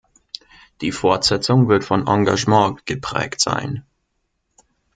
Die Fortsetzung wird von Engagement geprägt sein.